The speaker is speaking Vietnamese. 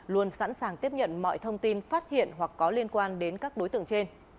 luôn sẵn sàng tiếp nhận mọi thông tin phát hiện hoặc có liên quan đến các đối tượng trên